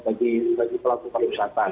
bagi pelaku perusahaan